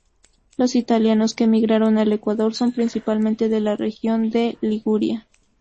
Los italianos que emigraron al Ecuador son principalmente de la región de Liguria.